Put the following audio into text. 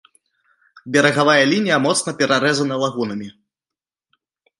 Берагавая лінія моцна перарэзана лагунамі.